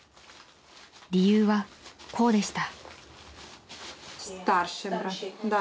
［理由はこうでした］